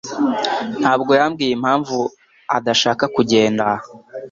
ntabwo yambwiye impamvu adashaka kugenda.